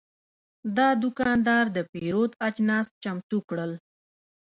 دا دوکاندار د پیرود اجناس چمتو کړل.